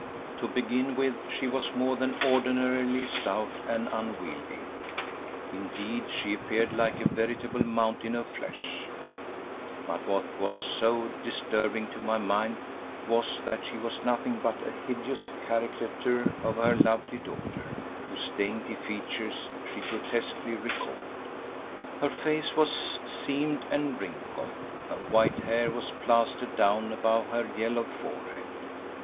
To begin with she was more than ordinarily stout and unwieldy—indeed, she appeared like a veritable mountain of flesh; but what was so disturbing to my mind was that she was nothing but a hideous caricature of her lovely daughter, whose dainty features she grotesquely recalled. Her face was seamed and wrinkled, her white hair was plastered down above her yellow forehead.